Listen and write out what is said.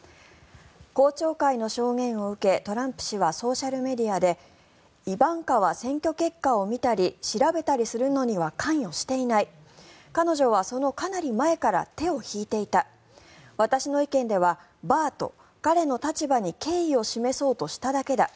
公聴会の証言を受けトランプ氏はソーシャルメディアでイバンカは選挙結果を見たり調べたりするのには関与していない彼女はそのかなり前から手を引いていた私の意見ではバーと彼の立場に敬意を示そうとしただけだ